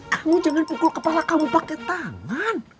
kamu jangan pukul kepala kamu pakai tangan